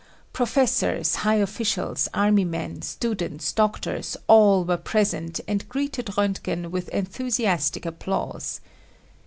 Professors, high officials, army men, students, doctors, all were present and greeted Roentgen with enthusiastic applause.